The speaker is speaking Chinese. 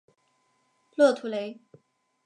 勒图雷。